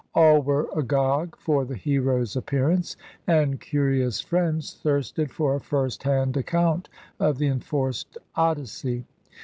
All were agog for the hero's appearance, and curious friends thirsted for a first hand account of the enforced Odyssey.